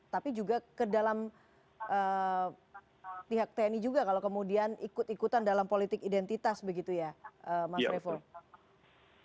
tapi juga ke dalam pihak tni juga kalau kemudian ikut ikutan dalam politik identitas begitu ya mas revo